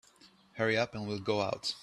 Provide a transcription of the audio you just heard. Hurry up and we'll go out.